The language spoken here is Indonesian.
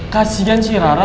kasian si rara kalo ngasih tau